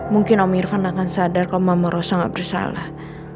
mungkin om irfan akan sadar kalau mama rosa gak bersalah